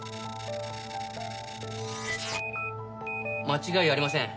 間違いありません。